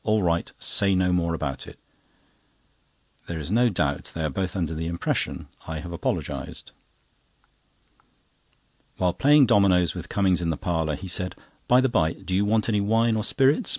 All right. Say no more about it." There is no doubt they are both under the impression I have apologised. While playing dominoes with Cummings in the parlour, he said: "By the by, do you want any wine or spirits?